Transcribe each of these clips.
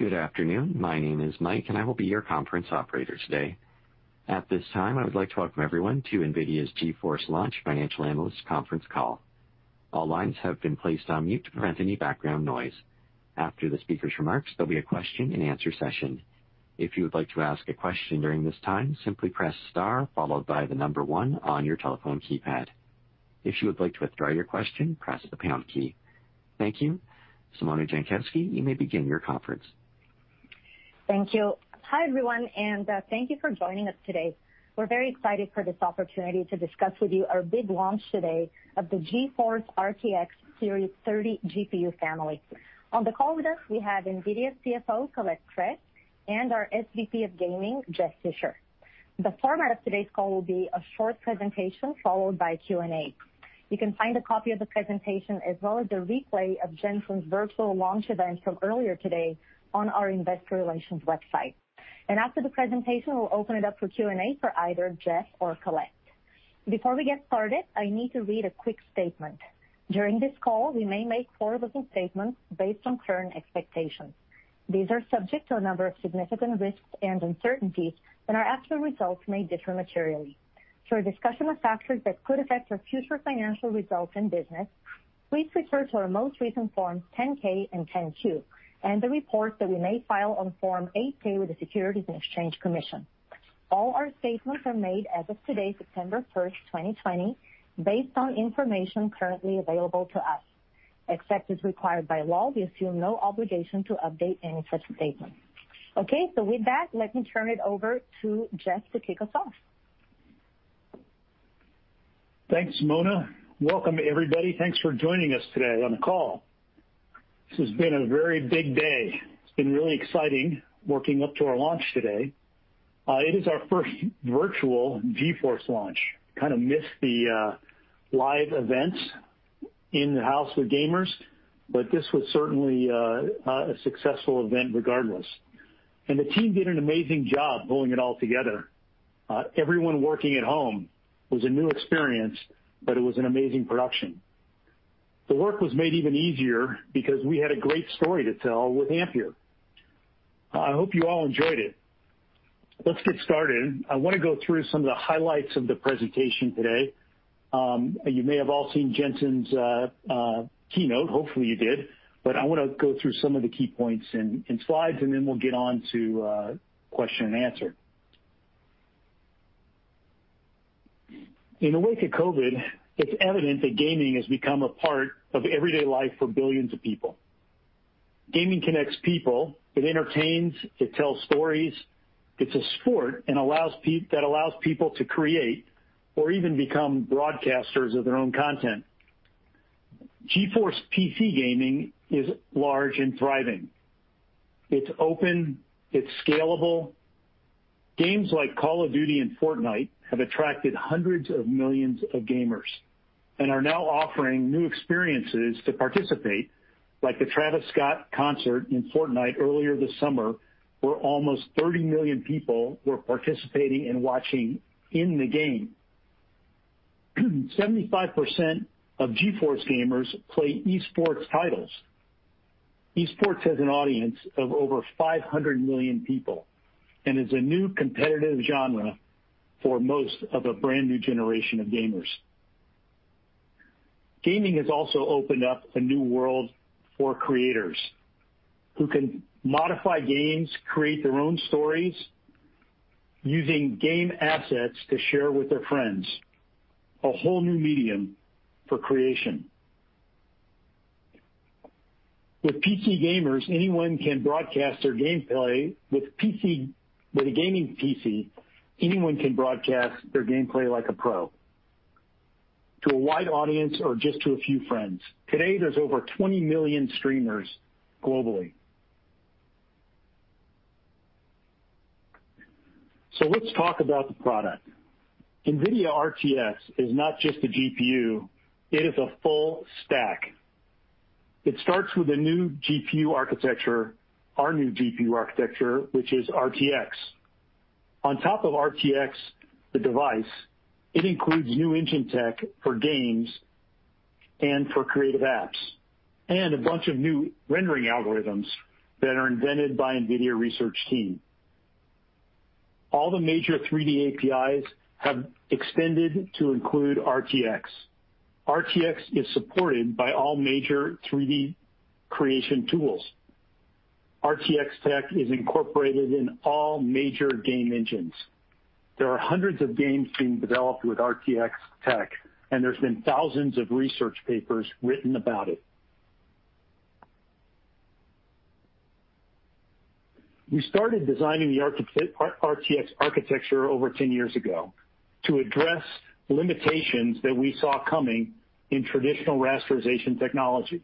Good afternoon. My name is Mike, and I will be your Conference Operator today. At this time, I would like to welcome everyone to NVIDIA's GeForce Launch Financial Analysts Conference Call. All lines have been placed on mute to prevent any background noise. After the speakers' remarks, there'll be a question and answer session. If you would like to ask a question during this time, simply press star followed by the number one on your telephone keypad. If you would like to withdraw your question, press the pound key. Thank you. Simona Jankowski, you may begin your conference. Thank you. Hi everyone, thank you for joining us today. We're very excited for this opportunity to discuss with you our big launch today of the GeForce RTX 30 series GPU family. On the call with us, we have NVIDIA's CFO, Colette Kress, and our SVP of Gaming, Jeff Fisher. The format of today's call will be a short presentation followed by a Q&A. You can find a copy of the presentation as well as the replay of Jensen's virtual launch event from earlier today on our investor relations website. After the presentation, we'll open it up for Q&A for either Jeff or Colette. Before we get started, I need to read a quick statement. During this call, we may make forward-looking statements based on current expectations. These are subject to a number of significant risks and uncertainties, and our actual results may differ materially. For a discussion of factors that could affect our future financial results and business, please refer to our most recent Forms 10-K and 10-Q and the reports that we may file on Form 8-K with the Securities and Exchange Commission. All our statements are made as of today, September 1st, 2020, based on information currently available to us. Except as required by law, we assume no obligation to update any such statement. With that, let me turn it over to Jeff to kick us off. Thanks, Simona. Welcome, everybody. Thanks for joining us today on the call. This has been a very big day. It's been really exciting working up to our launch today. It is our first virtual GeForce launch. Kind of miss the live events in the house with gamers. This was certainly a successful event regardless. The team did an amazing job pulling it all together. Everyone working at home was a new experience. It was an amazing production. The work was made even easier because we had a great story to tell with Ampere. I hope you all enjoyed it. Let's get started. I want to go through some of the highlights of the presentation today. You may have all seen Jensen's keynote, hopefully you did. I want to go through some of the key points in slides, then we'll get on to question and answer. In the wake of COVID, it's evident that gaming has become a part of everyday life for billions of people. Gaming connects people, it entertains, it tells stories. It's a sport that allows people to create or even become broadcasters of their own content. GeForce PC gaming is large and thriving. It's open, it's scalable. Games like Call of Duty and Fortnite have attracted hundreds of millions of gamers and are now offering new experiences to participate, like the Travis Scott concert in Fortnite earlier this summer, where almost 30 million people were participating and watching in the game. 75% of GeForce gamers play esports titles. Esports has an audience of over 500 million people and is a new competitive genre for most of a brand-new generation of gamers. Gaming has also opened up a new world for creators who can modify games, create their own stories using game assets to share with their friends, a whole new medium for creation. With a gaming PC, anyone can broadcast their gameplay like a pro to a wide audience or just to a few friends. Today, there's over 20 million streamers globally. Let's talk about the product. NVIDIA RTX is not just a GPU, it is a full stack. It starts with a new GPU architecture, our new GPU architecture, which is RTX. On top of RTX, the device, it includes new engine tech for games and for creative apps, and a bunch of new rendering algorithms that are invented by NVIDIA research team. All the major 3D APIs have extended to include RTX. RTX is supported by all major 3D creation tools. RTX tech is incorporated in all major game engines. There are hundreds of games being developed with RTX tech, and there's been thousands of research papers written about it. We started designing the RTX architecture over 10 years ago to address limitations that we saw coming in traditional rasterization technology.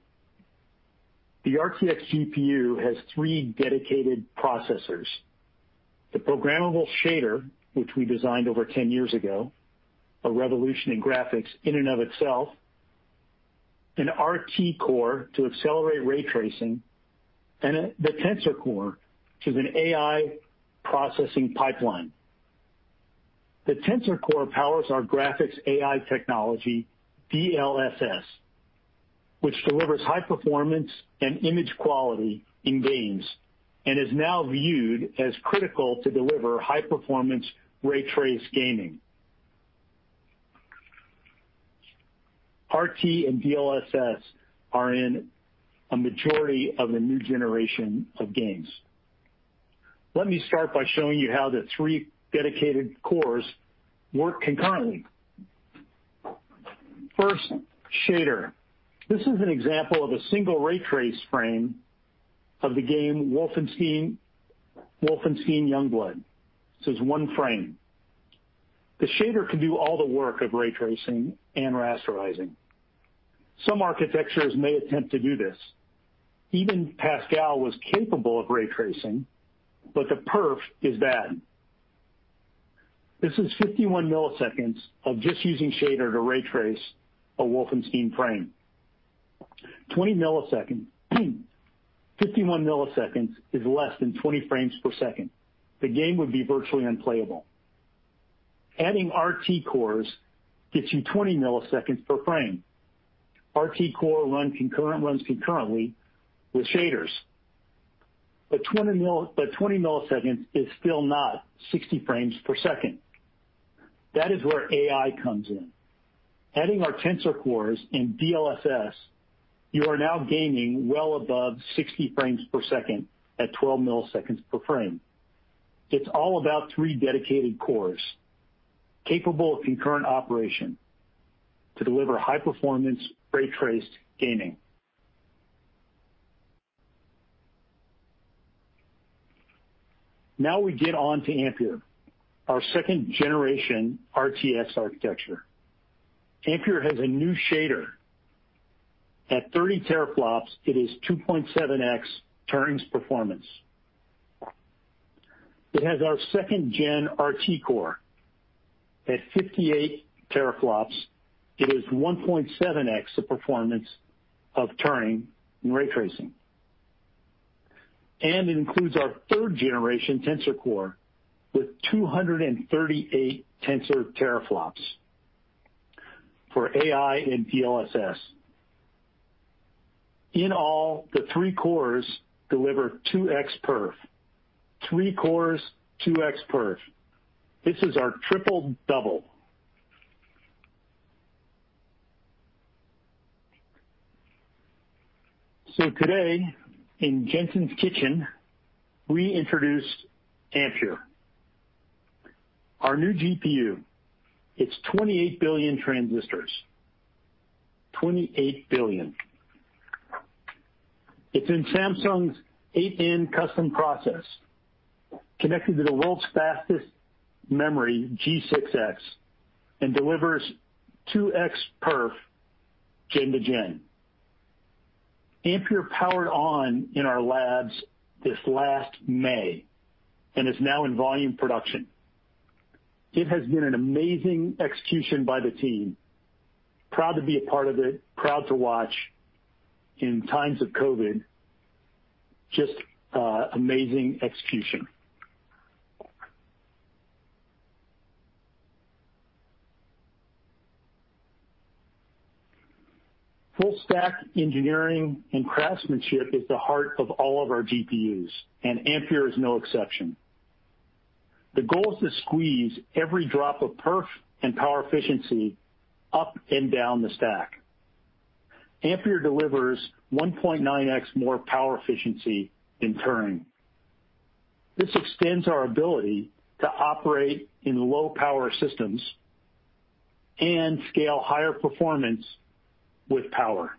The RTX GPU has three dedicated processors. The programmable shader, which we designed over 10 years ago, a revolution in graphics in and of itself, an RT Core to accelerate ray tracing, and the Tensor Core to an AI processing pipeline. The Tensor Core powers our graphics AI technology, DLSS, which delivers high performance and image quality in games and is now viewed as critical to deliver high performance ray traced gaming. RT and DLSS are in a majority of the new generation of games. Let me start by showing you how the three dedicated cores work concurrently. First, shader. This is an example of a single ray trace frame of the game Wolfenstein: Youngblood. This is one frame. The shader can do all the work of ray tracing and rasterizing. Some architectures may attempt to do this. Even Pascal was capable of ray tracing, the perf is bad. This is 51 milliseconds of just using shader to ray trace a Wolfenstein frame. 51 milliseconds is less than 20 frames per second. The game would be virtually unplayable. Adding RT cores gets you 20 milliseconds per frame. RT core runs concurrently with shaders. 20 milliseconds is still not 60 frames per second. That is where AI comes in. Adding our Tensor cores and DLSS, you are now gaming well above 60 frames per second at 12 milliseconds per frame. It's all about three dedicated cores capable of concurrent operation to deliver high performance ray traced gaming. We get on to Ampere, our second-generation RTX architecture. Ampere has a new shader. At 30 teraflops, it is 2.7x Turing's performance. It has our second-gen RT Core. At 58 teraflops, it is 1.7x the performance of Turing in ray tracing. It includes our third-generation Tensor Core with 238 tensor teraflops for AI and DLSS. In all, the three cores deliver 2x perf. Three cores, 2x perf. This is our triple double. Today in Jensen's Kitchen, we introduced Ampere, our new GPU. It's 28 billion transistors. 28 billion. It's in Samsung's 8N custom process, connected to the world's fastest memory, G6X, and delivers 2x perf gen-to-gen. Ampere powered on in our labs this last May and is now in volume production. It has been an amazing execution by the team. Proud to be a part of it, proud to watch in times of COVID. Just amazing execution. Full stack engineering and craftsmanship is the heart of all of our GPUs, and Ampere is no exception. The goal is to squeeze every drop of perf and power efficiency up and down the stack. Ampere delivers 1.9x more power efficiency than Turing. This extends our ability to operate in low power systems and scale higher performance with power.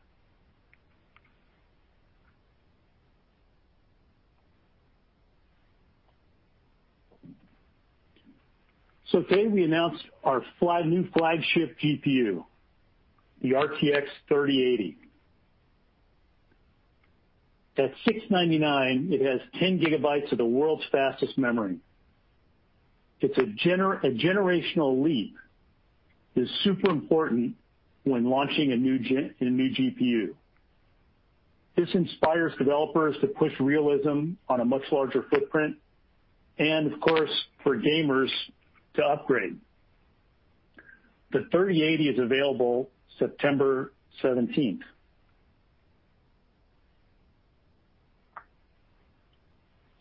Today, we announced our new flagship GPU, the RTX 3080. At $699, it has 10 GB of the world's fastest memory. It's a generational leap, is super important when launching a new GPU. This inspires developers to push realism on a much larger footprint and, of course, for gamers to upgrade. The 3080 is available September 17th.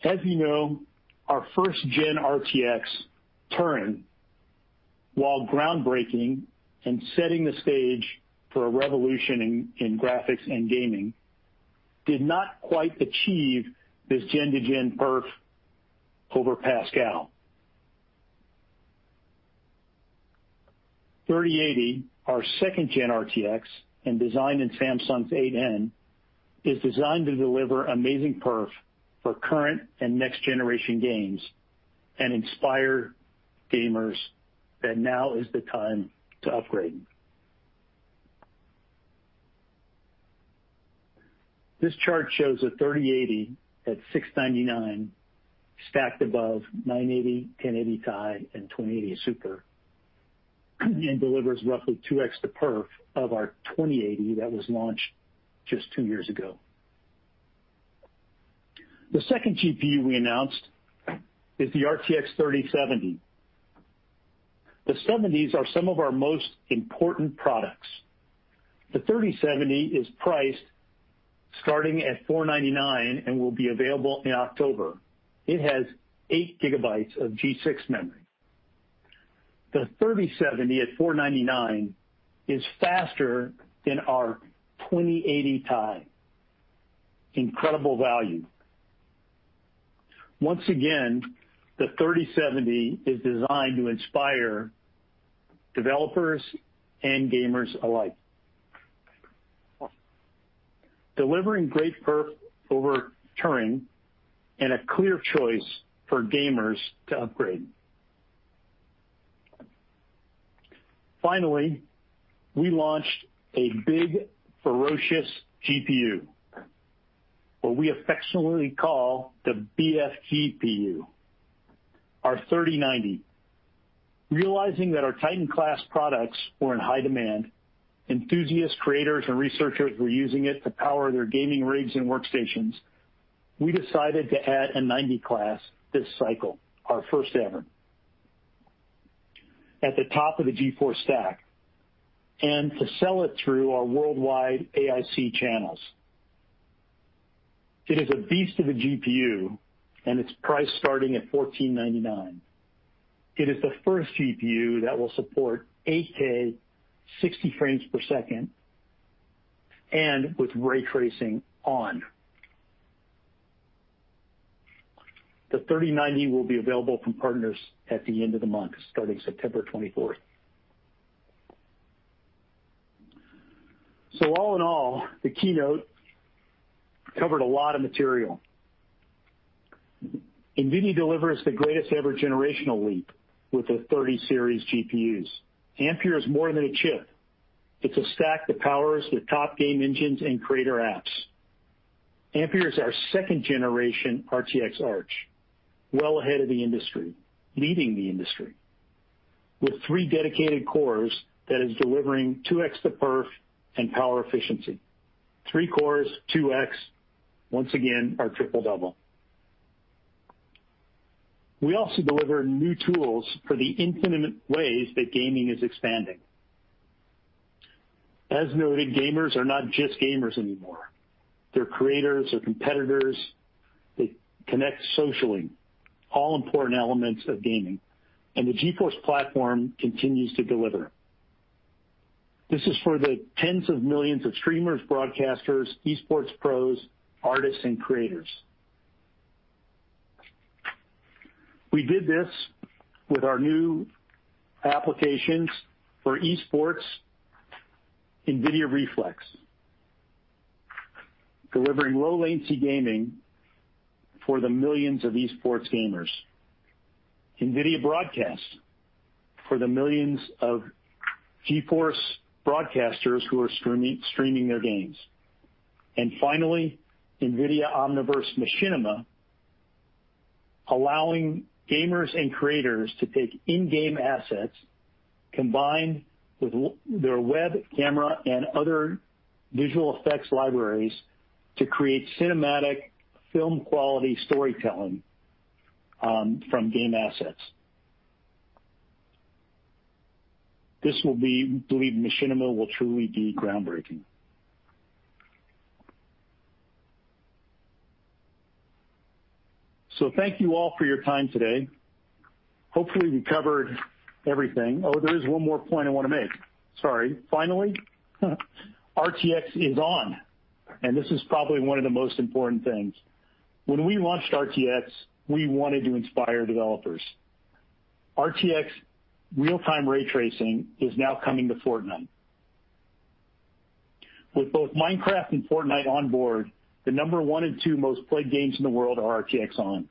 As you know, our first-gen RTX, Turing, while groundbreaking and setting the stage for a revolution in graphics and gaming, did not quite achieve this gen-to-gen perf over Pascal. 3080, our second-gen RTX and designed in Samsung's 8N, is designed to deliver amazing perf for current and next generation games and inspire gamers that now is the time to upgrade. This chart shows a 3080 at $699 stacked above 980, 1080 Ti, and 2080 Super, and delivers roughly 2x the perf of our 2080 that was launched just two years ago. The second GPU we announced is the RTX 3070. The 70s are some of our most important products. The 3070 is priced starting at $499 and will be available in October. It has eight gigabytes of G6 memory. The 3070 at $499 is faster than our 2080 Ti. Incredible value. The 3070 is designed to inspire developers and gamers alike. Delivering great perf over Turing and a clear choice for gamers to upgrade. We launched a big, ferocious GPU, what we affectionately call the BFGPU, our 3090. Realizing that our Titan class products were in high demand, enthusiasts, creators, and researchers were using it to power their gaming rigs and workstations, we decided to add a 90 class this cycle, our first ever, at the top of the GeForce stack, and to sell it through our worldwide AIC channels. It is a beast of a GPU, and it's priced starting at $1,499. It is the first GPU that will support 8K 60 frames per second, and with ray tracing on. The 3090 will be available from partners at the end of the month, starting September 24th. All in all, the keynote covered a lot of material. NVIDIA delivers the greatest ever generational leap with the 30 series GPUs. Ampere is more than a chip. It's a stack that powers the top game engines and creator apps. Ampere is our second generation RTX arch, well ahead of the industry, leading the industry, with three dedicated cores that is delivering 2x the perf and power efficiency. Three cores, 2x, once again, our triple double. We also deliver new tools for the infinite ways that gaming is expanding. As noted, gamers are not just gamers anymore. They're creators. They're competitors. They connect socially. All important elements of gaming, the GeForce platform continues to deliver. This is for the tens of millions of streamers, broadcasters, esports pros, artists, and creators. We did this with our new applications for esports NVIDIA Reflex, delivering low latency gaming for the millions of esports gamers. NVIDIA Broadcast for the millions of GeForce broadcasters who are streaming their games. Finally, NVIDIA Omniverse Machinima, allowing gamers and creators to take in-game assets, combine with their web camera and other visual effects libraries to create cinematic film quality storytelling from game assets. We believe Machinima will truly be groundbreaking. Thank you all for your time today. Hopefully, we covered everything. There is one more point I want to make. Sorry. Finally, RTX is on, and this is probably one of the most important things. When we launched RTX, we wanted to inspire developers. RTX real-time ray tracing is now coming to Fortnite. With both Minecraft and Fortnite on board, the number one and two most played games in the world are RTX on.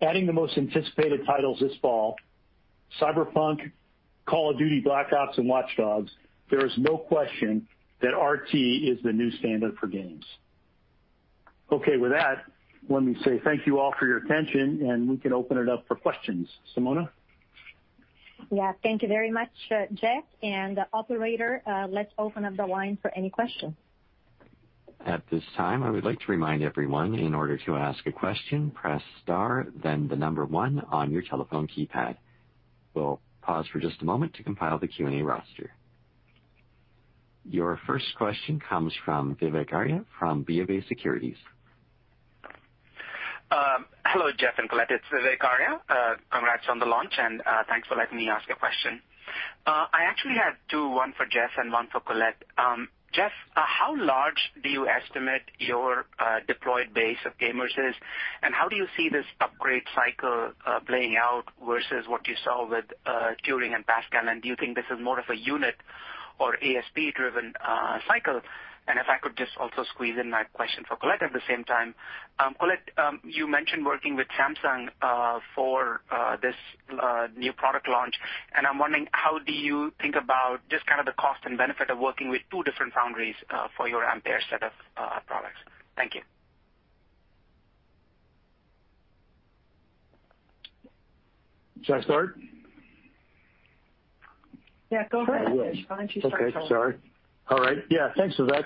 Adding the most anticipated titles this fall, Cyberpunk, Call of Duty: Black Ops, and Watch Dogs. There is no question that RT is the new standard for games. Okay. With that, let me say thank you all for your attention, and we can open it up for questions. Simona? Yeah. Thank you very much, Jeff. Operator, let's open up the line for any questions. At this time, I would like to remind everyone, in order to ask a question, press star then the number one on your telephone keypad. We'll pause for just a moment to compile the Q&A roster. Your first question comes from Vivek Arya from BofA Securities. Hello, Jeff and Colette. It's Vivek Arya. Congrats on the launch. Thanks for letting me ask a question. I actually have two, one for Jeff and one for Colette. Jeff, how large do you estimate your deployed base of gamers is, and how do you see this upgrade cycle playing out versus what you saw with Turing and Pascal? Do you think this is more of a unit or ASP-driven cycle? If I could just also squeeze in my question for Colette at the same time. Colette, you mentioned working with Samsung for this new product launch, and I'm wondering, how do you think about just the cost and benefit of working with two different foundries for your Ampere set of products? Thank you. Should I start? Yeah, go ahead. Why don't you start talking? Okay. Sorry. All right. Thanks, Colette.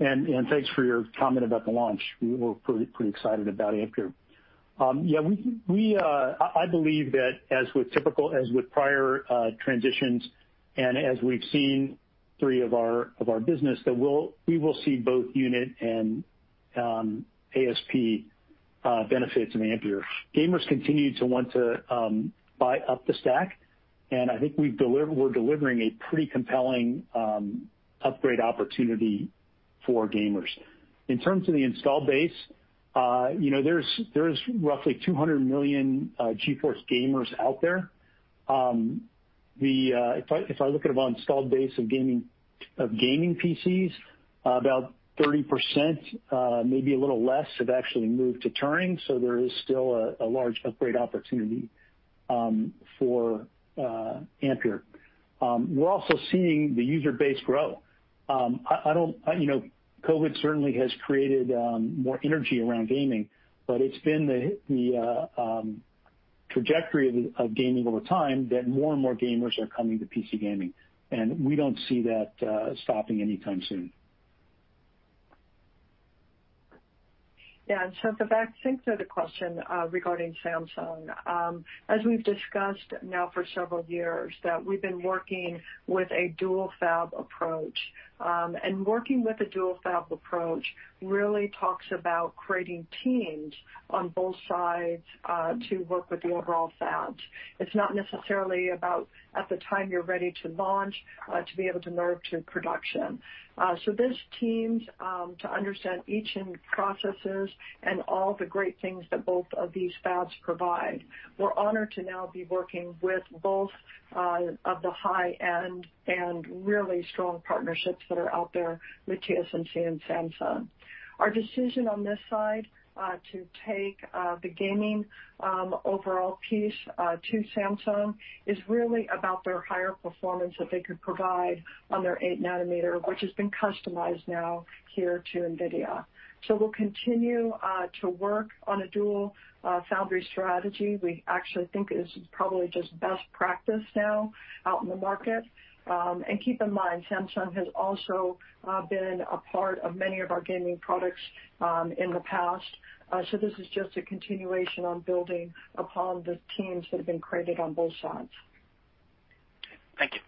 Thanks for your comment about the launch. We're pretty excited about Ampere. I believe that as with prior transitions and as we've seen through our business, that we will see both unit and ASP benefits in Ampere. Gamers continue to want to buy up the stack. I think we're delivering a pretty compelling upgrade opportunity for gamers. In terms of the install base, there's roughly 200 million GeForce gamers out there. If I look at our installed base of gaming PCs, about 30%, maybe a little less, have actually moved to Turing. There is still a large upgrade opportunity for Ampere. We're also seeing the user base grow. COVID certainly has created more energy around gaming. It's been the trajectory of gaming over time that more and more gamers are coming to PC gaming. We don't see that stopping anytime soon. Yeah. The back sync to the question regarding Samsung, as we've discussed now for several years, that we've been working with a dual-fab approach. Working with a dual-fab approach really talks about creating teams on both sides to work with the overall fabs. It's not necessarily about at the time you're ready to launch to be able to move to production. There's teams to understand each end processes and all the great things that both of these fabs provide. We're honored to now be working with both of the high-end and really strong partnerships that are out there with TSMC and Samsung. Our decision on this side to take the gaming overall piece to Samsung is really about their higher performance that they could provide on their 8 nanometer, which has been customized now here to NVIDIA. We'll continue to work on a dual foundry strategy, we actually think is probably just best practice now out in the market. Keep in mind, Samsung has also been a part of many of our gaming products in the past. This is just a continuation on building upon the teams that have been created on both sides. Thank you.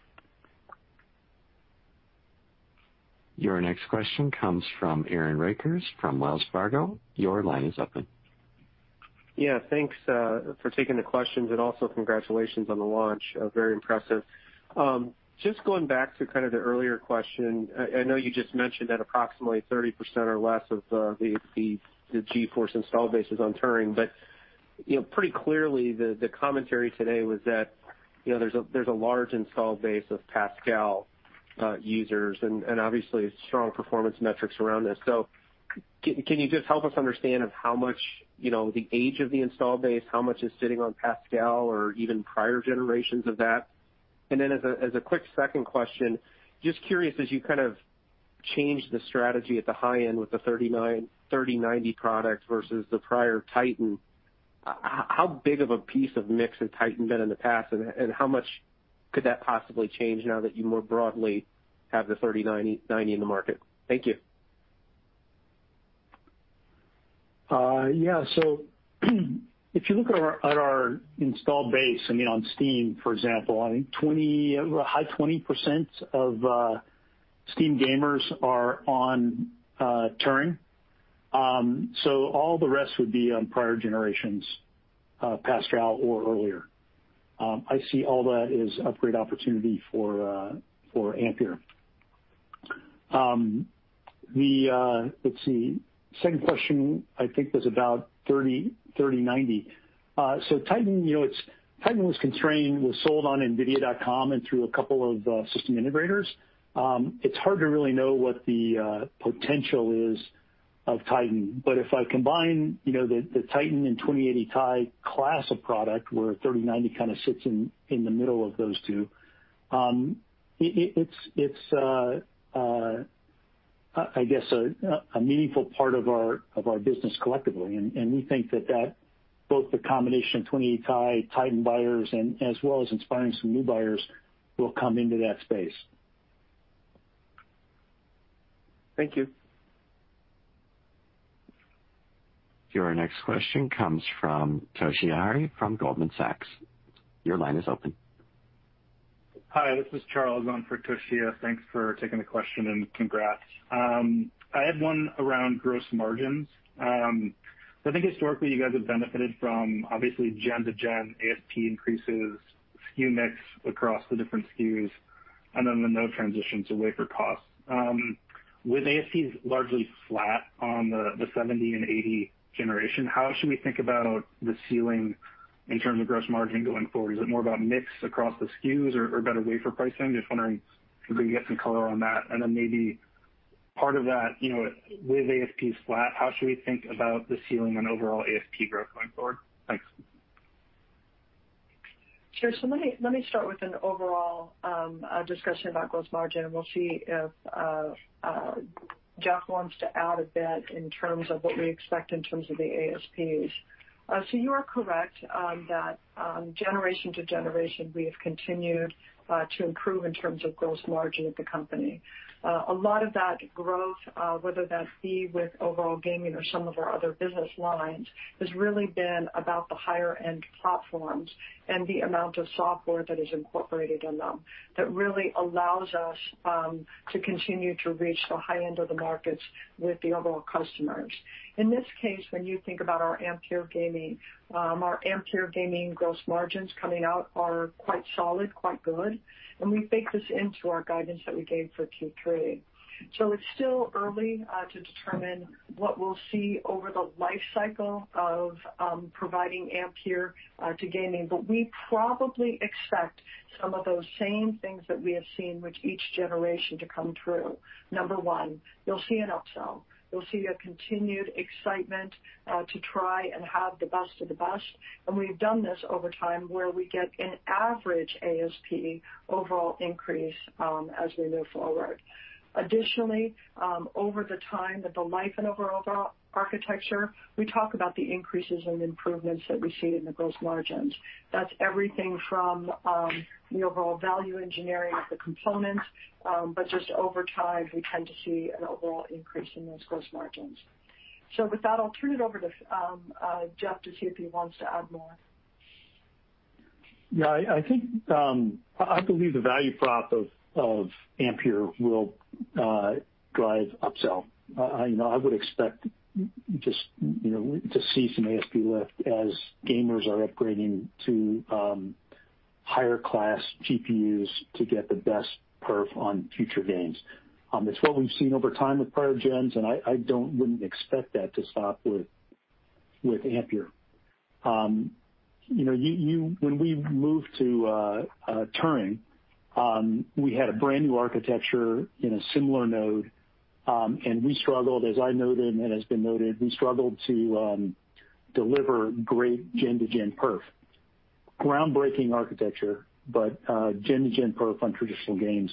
Your next question comes from Aaron Rakers from Wells Fargo. Your line is open. Thanks for taking the questions, also congratulations on the launch. Very impressive. Going back to the earlier question, I know you mentioned that approximately 30% or less of the GeForce install base is on Turing. Pretty clearly, the commentary today was that there's a large install base of Pascal users and obviously strong performance metrics around this. Can you help us understand of how much the age of the install base, how much is sitting on Pascal or even prior generations of that? As a quick second question, curious as you changed the strategy at the high end with the 3090 product versus the prior Titan, how big of a piece of mix has Titan been in the past, and how much could that possibly change now that you more broadly have the 3090 in the market? Thank you. If you look at our install base on Steam, for example, I think a high 20% of Steam gamers are on Turing. All the rest would be on prior generations, Pascal or earlier. I see all that as upgrade opportunity for Ampere. Let's see. Second question, I think was about 3090. Titan was constrained, was sold on nvidia.com and through a couple of system integrators. It's hard to really know what the potential is of Titan. If I combine the Titan and 2080 Ti class of product where 3090 sits in the middle of those two, it's I guess, a meaningful part of our business collectively, and we think that both the combination of 2080 Ti Titan buyers as well as inspiring some new buyers will come into that space. Thank you. Your next question comes from Toshiya from Goldman Sachs. Your line is open. Hi, this is Charles on for Toshiya, thanks for taking the question and congrats. I had one around gross margins. I think historically, you guys have benefited from obviously gen to gen ASP increases, SKU mix across the different SKUs, and then the node transition to wafer costs. With ASPs largely flat on the 70 and 80 generation, how should we think about the ceiling in terms of gross margin going forward? Is it more about mix across the SKUs or about a wafer pricing? Just wondering if we can get some color on that. Then maybe part of that, with ASP flat, how should we think about the ceiling on overall ASP growth going forward? Thanks. Sure. Let me start with an overall discussion about gross margin, and we'll see if Jeff wants to add a bit in terms of what we expect in terms of the ASPs. You are correct on that generation to generation, we have continued to improve in terms of gross margin at the company. A lot of that growth, whether that be with overall gaming or some of our other business lines, has really been about the higher-end platforms and the amount of software that is incorporated in them that really allows us to continue to reach the high end of the markets with the overall customers. In this case, when you think about our Ampere gaming, our Ampere gaming gross margins coming out are quite solid, quite good, and we baked this into our guidance that we gave for Q3. It's still early to determine what we'll see over the life cycle of providing Ampere to gaming. We probably expect some of those same things that we have seen with each generation to come true. Number one, you'll see an upsell. You'll see a continued excitement to try and have the best of the best. We've done this over time where we get an average ASP overall increase as we move forward. Additionally, over the time that the life and overall architecture, we talk about the increases in improvements that we see in the gross margins. That's everything from the overall value engineering of the components, but just over time, we tend to see an overall increase in those gross margins. With that, I'll turn it over to Jeff to see if he wants to add more. Yeah, I believe the value prop of Ampere will drive upsell. I would expect just to see some ASP lift as gamers are upgrading to higher class GPUs to get the best perf on future games. It's what we've seen over time with prior gens, and I wouldn't expect that to stop with Ampere. When we moved to Turing, we had a brand-new architecture in a similar node, and we struggled, as I noted and has been noted, we struggled to deliver great gen to gen perf. Groundbreaking architecture, gen to gen perf on traditional games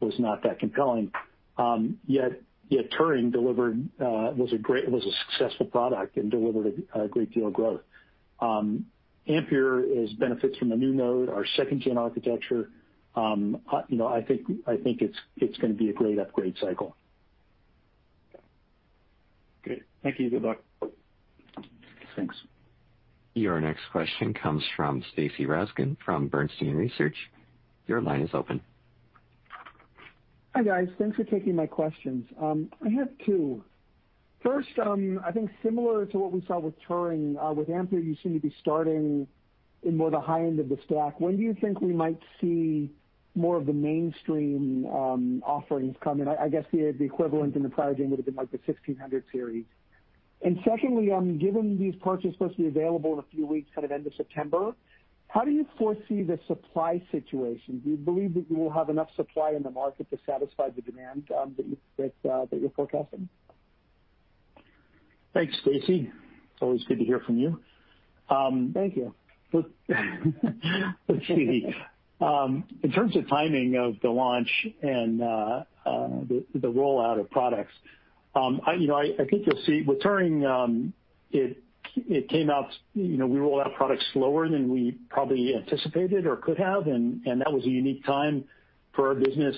was not that compelling. Yet Turing was a successful product and delivered a great deal of growth. Ampere benefits from a new node, our second-gen architecture. I think it's going to be a great upgrade cycle. Okay. Great. Thank you. Good luck. Thanks. Your next question comes from Stacy Rasgon from Bernstein Research. Your line is open. Hi, guys. Thanks for taking my questions. I have two. First, I think similar to what we saw with Turing, with Ampere, you seem to be starting in more the high end of the stack. When do you think we might see more of the mainstream offerings come in? I guess the equivalent in the prior gen would have been like the 1600 series. Secondly, given these parts are supposed to be available in a few weeks, kind of end of September, how do you foresee the supply situation? Do you believe that you will have enough supply in the market to satisfy the demand that you're forecasting? Thanks, Stacy. It's always good to hear from you. Thank you. In terms of timing of the launch and the rollout of products, I think you'll see with Turing, we rolled out products slower than we probably anticipated or could have, and that was a unique time for our business.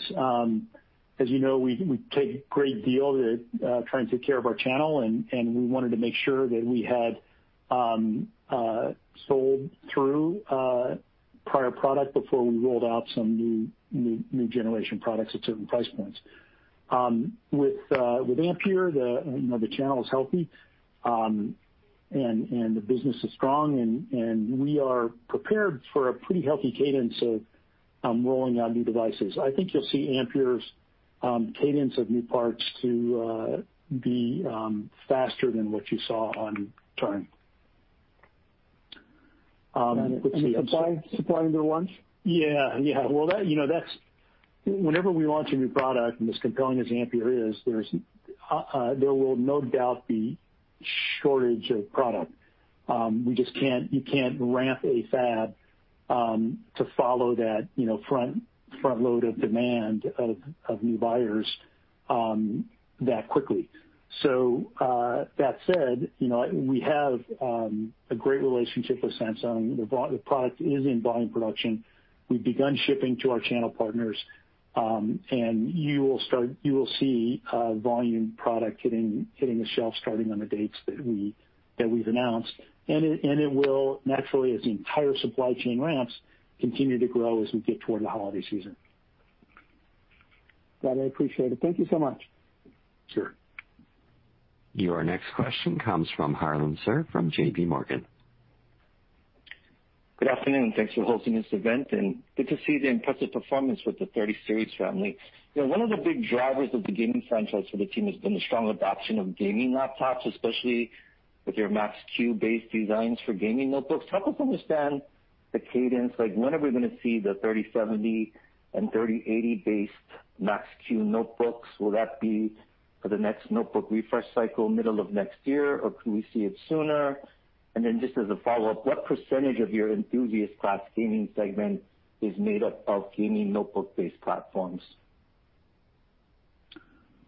As you know, we take great deal at trying to take care of our channel, and we wanted to make sure that we had sold through prior product before we rolled out some new generation products at certain price points. With Ampere, the channel is healthy, and the business is strong, and we are prepared for a pretty healthy cadence of rolling out new devices. I think you'll see Ampere's cadence of new parts to be faster than what you saw on Turing. The supply under launch? Yeah. Well, whenever we launch a new product, and as compelling as Ampere is, there will no doubt be shortage of product. You can't ramp a fab to follow that front load of demand of new buyers that quickly. That said, we have a great relationship with Samsung. The product is in volume production. We've begun shipping to our channel partners, and you will see volume product hitting the shelf starting on the dates that we've announced. It will naturally, as the entire supply chain ramps, continue to grow as we get toward the holiday season. Got it, appreciate it. Thank you so much. Sure. Your next question comes from Harlan Sur from JPMorgan. Good afternoon. Good to see the impressive performance with the 30 series family. One of the big drivers of the gaming franchise for the team has been the strong adoption of gaming laptops, especially with your Max-Q based designs for gaming notebooks. Help us understand the cadence, like when are we going to see the 3070 and 3080 based Max-Q notebooks? Will that be for the next notebook refresh cycle, middle of next year, or could we see it sooner? Just as a follow-up, what % of your enthusiast class gaming segment is made up of gaming notebook-based platforms?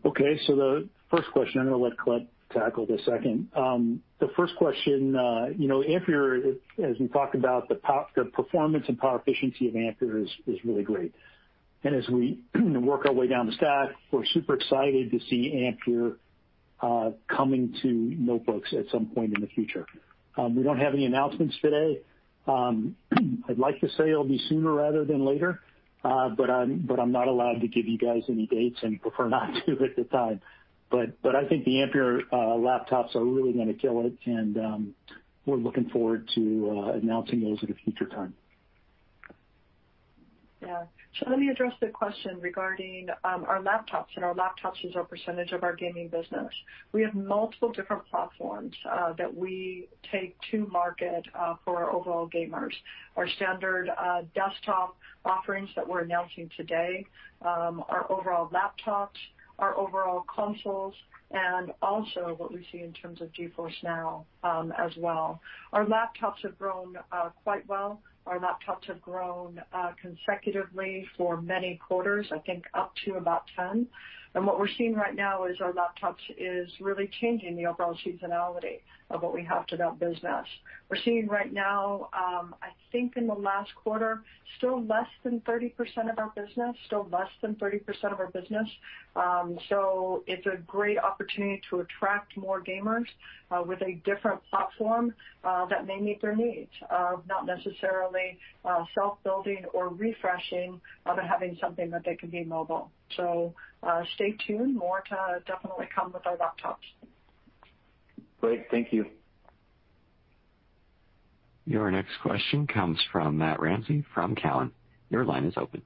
The first question, I'm going to let Colette tackle the second. The first question, Ampere, as we talked about, the performance and power efficiency of Ampere is really great. As we work our way down the stack, we're super excited to see Ampere coming to notebooks at some point in the future. We don't have any announcements today. I'd like to say it'll be sooner rather than later, but I'm not allowed to give you guys any dates and prefer not to at this time. I think the Ampere laptops are really going to kill it and we're looking forward to announcing those at a future time. Yeah. Let me address the question regarding our laptops and our laptops as a percentage of our gaming business. We have multiple different platforms that we take to market for our overall gamers. Our standard desktop offerings that we're announcing today, our overall laptops, our overall consoles, and also what we see in terms of GeForce NOW as well. Our laptops have grown quite well. Our laptops have grown consecutively for many quarters, I think up to about 10. What we're seeing right now is our laptops is really changing the overall seasonality of what we have to that business. We're seeing right now, I think in the last quarter, still less than 30% of our business. It's a great opportunity to attract more gamers with a different platform that may meet their needs, not necessarily self-building or refreshing, but having something that they can be mobile. Stay tuned. More to definitely come with our laptops. Great. Thank you. Your next question comes from Matt Ramsay from Cowen. Your line is open.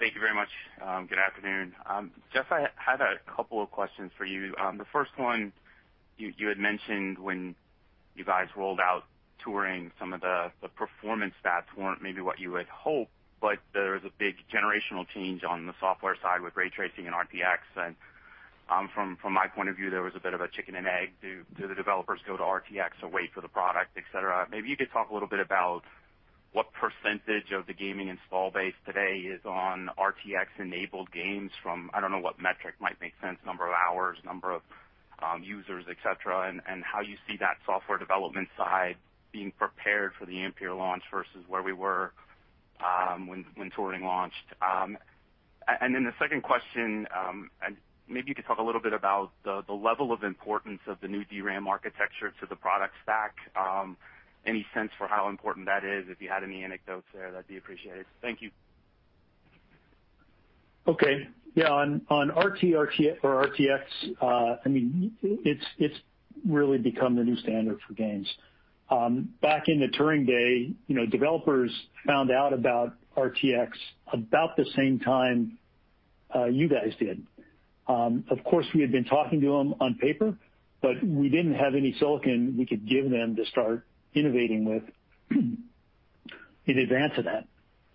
Thank you very much. Good afternoon. Jeff, I had a couple of questions for you. The first one, you had mentioned when you guys rolled out Turing, some of the performance stats weren't maybe what you would hope, but there was a big generational change on the software side with ray tracing and RTX. From my point of view, there was a bit of a chicken and egg. Do the developers go to RTX or wait for the product, et cetera? Maybe you could talk a little bit about what percentage of the gaming install base today is on RTX-enabled games from, I don't know what metric might make sense, number of hours, number of users, et cetera, and how you see that software development side being prepared for the Ampere launch versus where we were when Turing launched. The second question, maybe you could talk a little bit about the level of importance of the new DRAM architecture to the product stack. Any sense for how important that is? If you had any anecdotes there, that'd be appreciated. Thank you. Okay. Yeah, on RTX, it's really become the new standard for games. Back in the Turing day, developers found out about RTX about the same time you guys did. Of course, we had been talking to them on paper, but we didn't have any silicon we could give them to start innovating with in advance of that,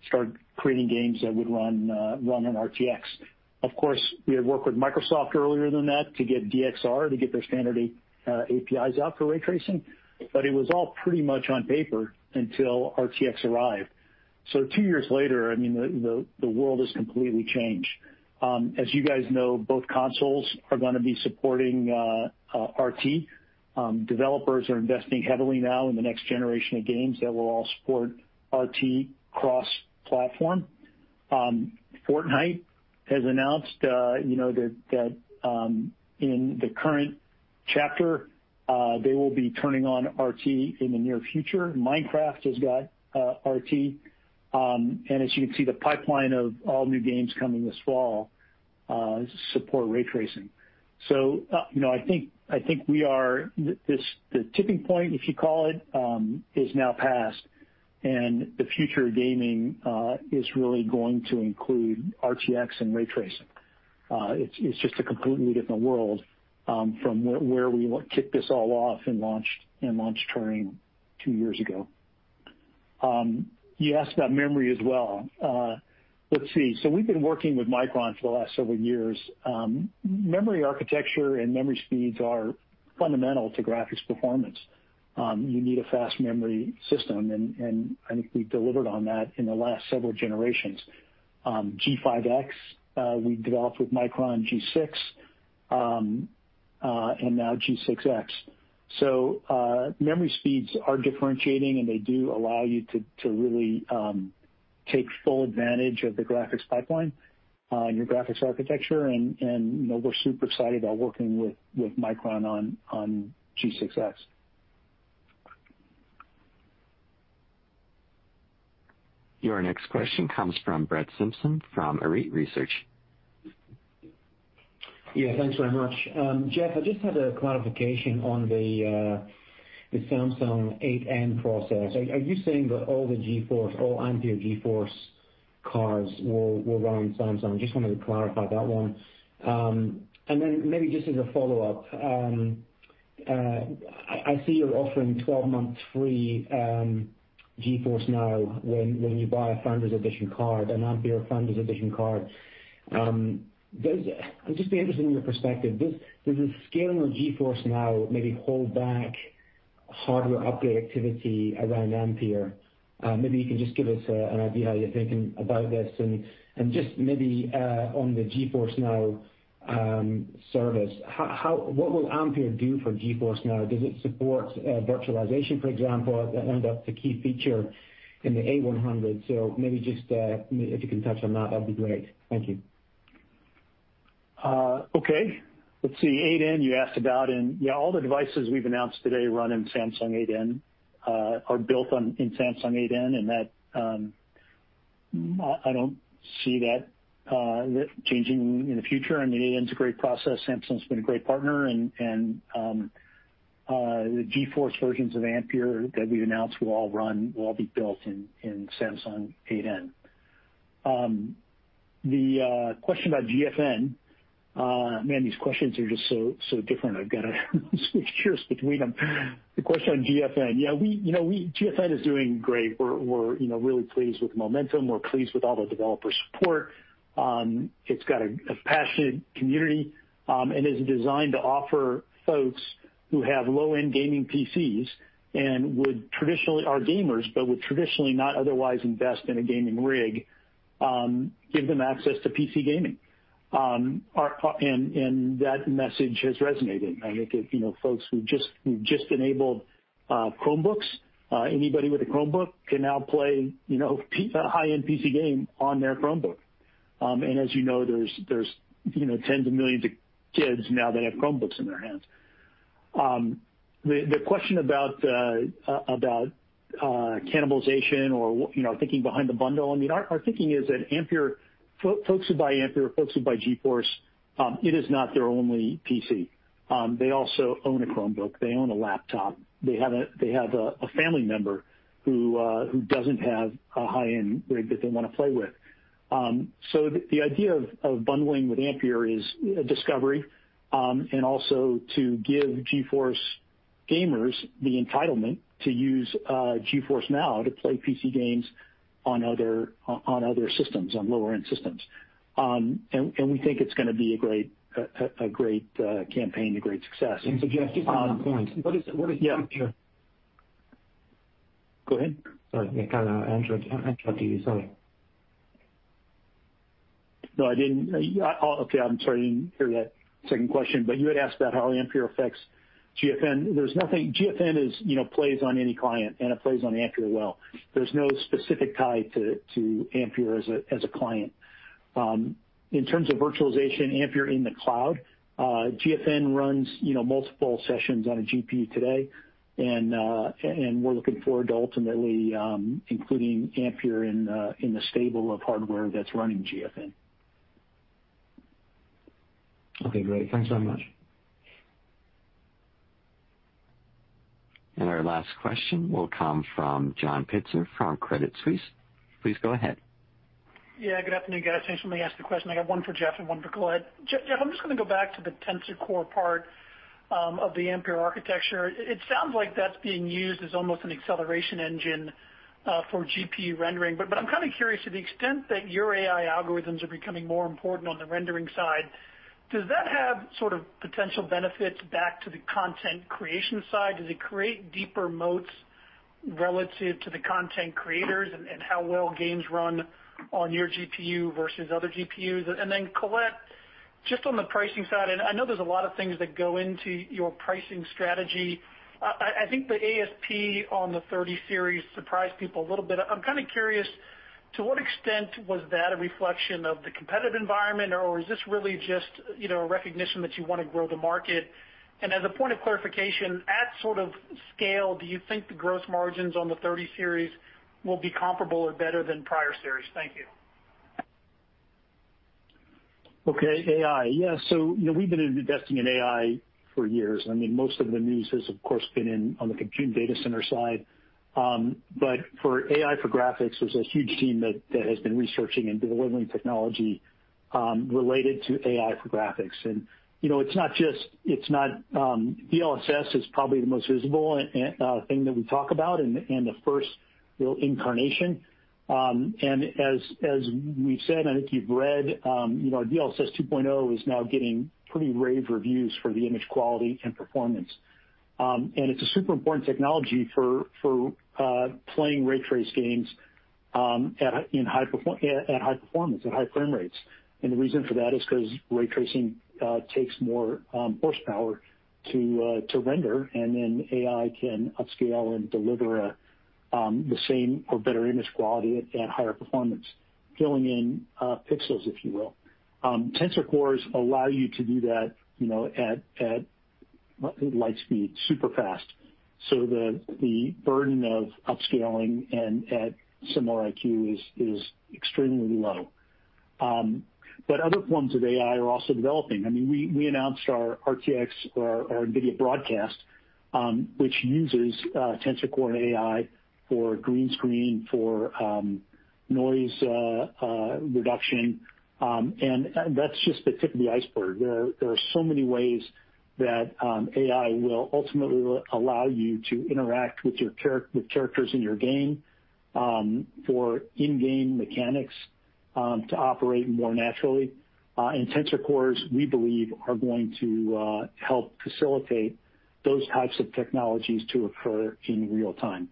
start creating games that would run on RTX. Of course, we had worked with Microsoft earlier than that to get DXR, to get their standard APIs out for ray tracing, but it was all pretty much on paper until RTX arrived. Two years later, the world has completely changed. As you guys know, both consoles are going to be supporting RT. Developers are investing heavily now in the next generation of games that will all support RT cross-platform. Fortnite has announced that in the current chapter, they will be turning on RT in the near future. Minecraft has got RT. As you can see, the pipeline of all new games coming this fall support ray tracing. I think the tipping point, if you call it, is now passed, and the future of gaming is really going to include RTX and ray tracing. It's just a completely different world from where we kicked this all off and launched Turing two years ago. You asked about memory as well. We've been working with Micron for the last several years. Memory architecture and memory speeds are fundamental to graphics performance. You need a fast memory system, and I think we've delivered on that in the last several generations. G5X, we developed with Micron G6, and now G6X. Memory speeds are differentiating, and they do allow you to really take full advantage of the graphics pipeline and your graphics architecture. We're super excited about working with Micron on G6X. Your next question comes from Brett Simpson from Arete Research. Thanks very much. Jeff, I just had a clarification on the Samsung 8N process. Are you saying that all the GeForce, all Ampere GeForce cards will run Samsung? Just wanted to clarify that one. Maybe just as a follow-up, I see you're offering 12 months free GeForce NOW when you buy a Founders Edition card, an Ampere Founders Edition card. I'd just be interested in your perspective. Does the scaling of GeForce NOW maybe hold back hardware upgrade activity around Ampere? Maybe you can just give us an idea how you're thinking about this, and just maybe on the GeForce NOW service, what will Ampere do for GeForce NOW? Does it support virtualization, for example? That ended up the key feature in the A100. Maybe if you can touch on that'd be great. Thank you. Okay. Let's see. 8N, you asked about, and yeah, all the devices we've announced today run in Samsung 8N or are built in Samsung 8N, and I don't see that changing in the future. I mean, 8N's a great process. Samsung's been a great partner, and the GeForce versions of Ampere that we've announced will all be built in Samsung 8N. The question about GFN. Man, these questions are just so different. I've got to switch gears between them. The question on GFN. Yeah, GFN is doing great. We're really pleased with the momentum. We're pleased with all the developer support. It's got a passionate community, and is designed to offer folks who have low-end gaming PCs and are gamers, but would traditionally not otherwise invest in a gaming rig, give them access to PC gaming. That message has resonated. I think folks who just enabled Chromebooks, anybody with a Chromebook can now play a high-end PC game on their Chromebook. As you know, there's tens of millions of kids now that have Chromebooks in their hands. The question about cannibalization or thinking behind the bundle. Our thinking is that folks who buy Ampere or folks who buy GeForce, it is not their only PC. They also own a Chromebook. They own a laptop. They have a family member who doesn't have a high-end rig that they want to play with. The idea of bundling with Ampere is discovery, and also to give GeForce gamers the entitlement to use GeForce NOW to play PC games on other systems, on lower-end systems. We think it's going to be a great campaign, a great success. Just two quick points. Yeah. Go ahead. Sorry. [Kind of Andrew. Andrew, to you.] Sorry. Okay. I'm sorry, I didn't hear that second question. You had asked about how Ampere affects GFN. GFN plays on any client. It plays on Ampere well. There's no specific tie to Ampere as a client. In terms of virtualization, Ampere in the cloud, GFN runs multiple sessions on a GPU today. We're looking forward to ultimately including Ampere in the stable of hardware that's running GFN. Okay, great. Thanks very much. Our last question will come from John Pitzer from Credit Suisse. Please go ahead. Yeah, good afternoon, guys. I think somebody asked the question. I got one for Jeff and one for Colette. Jeff, I'm just going to go back to the Tensor Core part of the Ampere architecture. It sounds like that's being used as almost an acceleration engine for GPU rendering. I'm kind of curious, to the extent that your AI algorithms are becoming more important on the rendering side, does that have sort of potential benefits back to the content creation side? Does it create deeper moats relative to the content creators and how well games run on your GPU versus other GPUs? Colette, just on the pricing side, and I know there's a lot of things that go into your pricing strategy. I think the ASP on the 30 Series surprised people a little bit. I'm kind of curious, to what extent was that a reflection of the competitive environment, or is this really just a recognition that you want to grow the market? As a point of clarification, at sort of scale, do you think the gross margins on the 30 series will be comparable or better than prior series? Thank you. Okay. AI. Yeah. We've been investing in AI for years. Most of the news has, of course, been on the compute data center side. For AI, for graphics, there's a huge team that has been researching and delivering technology related to AI for graphics. DLSS is probably the most visible thing that we talk about and the first real incarnation. As we've said, and I think you've read, our DLSS 2.0 is now getting pretty rave reviews for the image quality and performance. It's a super important technology for playing ray trace games at high performance, at high frame rates. The reason for that is because ray tracing takes more horsepower to render, and then AI can upscale and deliver the same or better image quality at higher performance, filling in pixels, if you will. Tensor Cores allow you to do that at light speed, super fast. The burden of upscaling and at similar IQ is extremely low. Other forms of AI are also developing. We announced our RTX or our NVIDIA Broadcast, which uses Tensor Core and AI for green screen, for noise reduction. That's just the tip of the iceberg. There are so many ways that AI will ultimately allow you to interact with characters in your game for in-game mechanics to operate more naturally. Tensor Cores, we believe are going to help facilitate those types of technologies to occur in real time.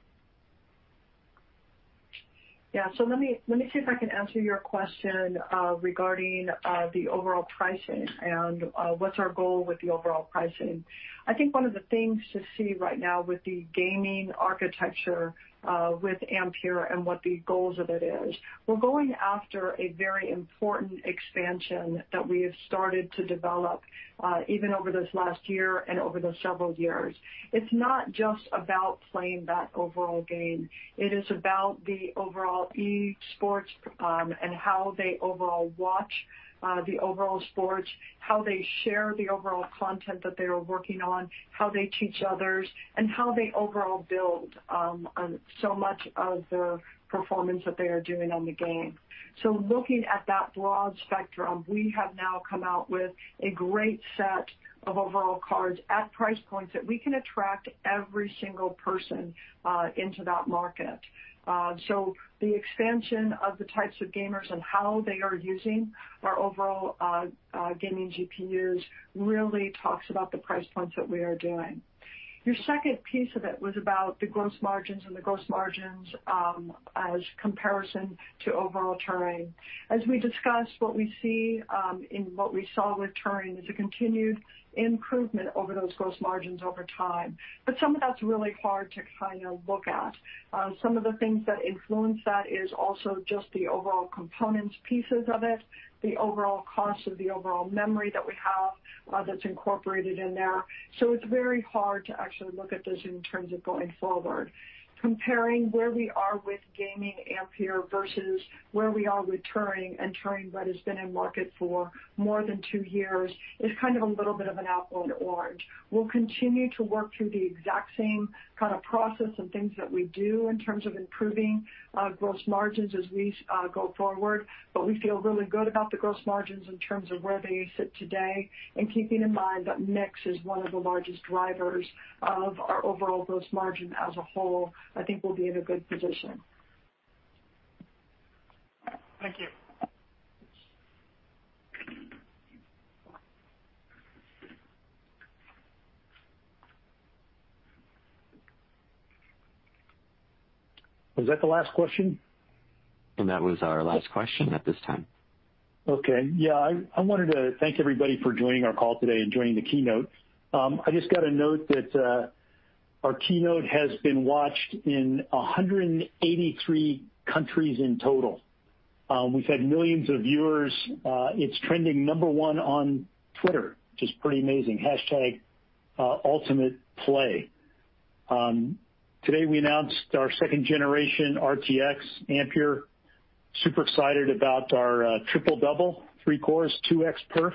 Yeah. Let me see if I can answer your question regarding the overall pricing and what's our goal with the overall pricing. I think one of the things to see right now with the gaming architecture with Ampere and what the goals of it is, we're going after a very important expansion that we have started to develop even over this last year and over the several years. It's not just about playing that overall game. It is about the overall esports and how they overall watch the overall sports, how they share the overall content that they are working on, how they teach others, and how they overall build so much of the performance that they are doing on the game. Looking at that broad spectrum, we have now come out with a great set of overall cards at price points that we can attract every single person into that market. The expansion of the types of gamers and how they are using our overall gaming GPUs really talks about the price points that we are doing. Your second piece of it was about the gross margins and the gross margins as comparison to overall Turing. As we discussed, what we saw with Turing is a continued improvement over those gross margins over time. Some of that's really hard to look at. Some of the things that influence that is also just the overall components pieces of it, the overall cost of the overall memory that we have that's incorporated in there. It's very hard to actually look at this in terms of going forward. Comparing where we are with gaming Ampere versus where we are with Turing and Turing that has been in market for more than two years is kind of a little bit of an apple and orange. We'll continue to work through the exact same kind of process and things that we do in terms of improving gross margins as we go forward. We feel really good about the gross margins in terms of where they sit today and keeping in mind that mix is one of the largest drivers of our overall gross margin as a whole. I think we'll be in a good position. Thank you. Was that the last question? That was our last question at this time. Okay. Yeah. I wanted to thank everybody for joining our call today and joining the keynote. I just got a note that our keynote has been watched in 183 countries in total. We've had millions of viewers. It's trending number one on Twitter, which is pretty amazing, #ultimateplay. Today we announced our second-generation RTX Ampere. Super excited about our triple double, three cores, 2x perf,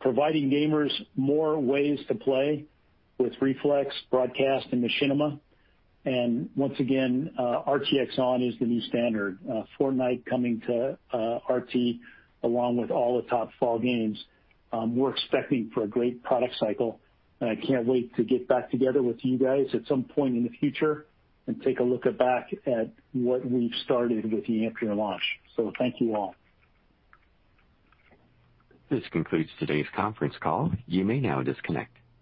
providing gamers more ways to play with Reflex, Broadcast and Machinima. Once again, RTX On is the new standard. Fortnite coming to RT along with all the top fall games. We're expecting for a great product cycle and I can't wait to get back together with you guys at some point in the future and take a look back at what we've started with the Ampere launch. Thank you all. This concludes today's conference call. You may now disconnect.